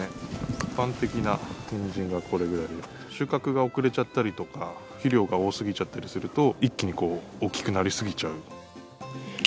一般的なにんじんがこれぐらいで、収穫が遅れちゃったりとか、肥料が多すぎちゃったりすると、一気に大きくなり過ぎちゃう。